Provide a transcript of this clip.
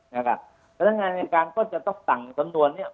พนักงานในการก็จะต้องสั่งสำนวนนี้